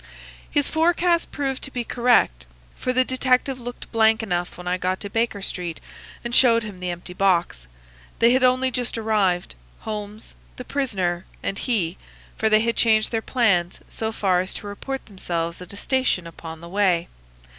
His forecast proved to be correct, for the detective looked blank enough when I got to Baker Street and showed him the empty box. They had only just arrived, Holmes, the prisoner, and he, for they had changed their plans so far as to report themselves at a station upon the way.